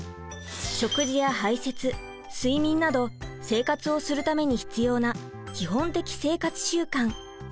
食事や排せつ睡眠など生活をするために必要な基本的生活習慣。